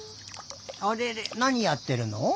あれれなにやってるの？